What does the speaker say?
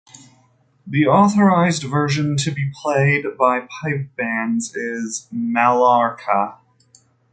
The authorised version to be played by pipe bands is "Mallorca".